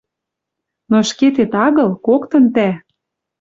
Но ӹшкетет агыл, коктын тӓ.